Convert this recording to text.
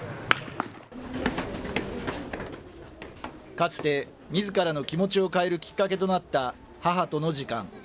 かつてみずからの気持ちを変えるきっかけとなった母との時間。